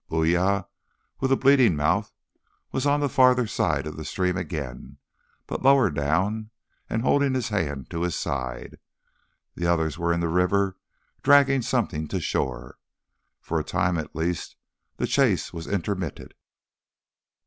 Uya, with a bleeding mouth, was on the farther side of the stream again, but lower down, and holding his hand to his side. The others were in the river dragging something to shore. For a time at least the chase was intermitted.